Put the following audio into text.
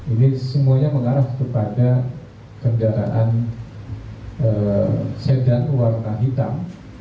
ini semuanya mengarah kepada kendaraan sedan warna hitam